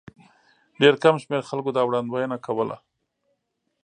ډېر کم شمېر خلکو دا وړاندوینه کوله.